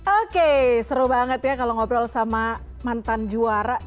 oke seru banget ya kalau ngobrol sama mantan juara